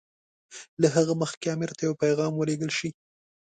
له هغه مخکې امیر ته یو پیغام ولېږل شي.